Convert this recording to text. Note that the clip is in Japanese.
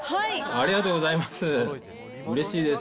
ありがとうございます。